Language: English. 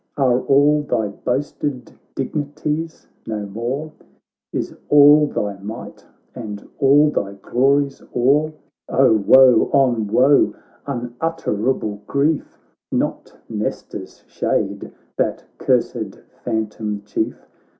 Are all thy boasted dignities no more ? Is all thy might, are all thy glories o'er! Oh, woe on woe, unutterable grief! Not Nestor's shade, that cursed phantom chief.